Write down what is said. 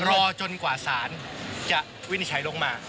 รอจนกว่าศาลจะวินิจฉัยลงมา